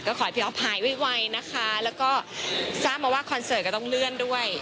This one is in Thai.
ขอให้พี่อ๊อฟหายไวนะคะแล้วก็ทราบมาว่าคอนเสิร์ตก็ต้องเลื่อนด้วย